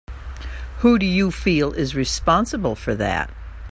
Who do you feel is responsible for that?